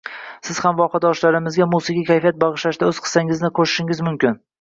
Siz ham vohadoshlarimizga musiqiy kayfiyat bagʻishlashda oʻz hissangizni qoʻshishingiz mumkin.